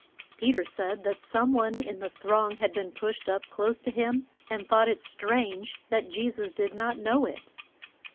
Pe ter said that some one in the throng had been pushed up close to him and thought it strange that Je sus did not know it.